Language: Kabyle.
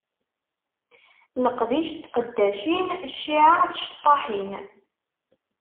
Leqdic n tqeddacin cciεa n tceṭṭaḥin.